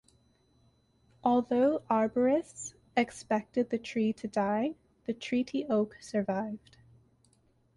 Although arborists expected the tree to die, the Treaty Oak survived.